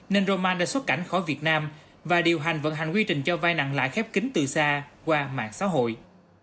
nên roman đã xuất cảnh khỏi việt nam và điều hành vận hành quy trình cho vai nặng lại khép kính từ xa qua mạng xã hội